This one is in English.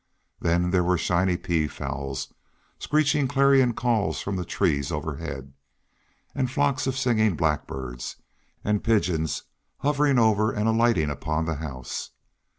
Then there were shiny peafowls screeching clarion calls from the trees overhead, and flocks of singing blackbirds, and pigeons hovering over and alighting upon the house.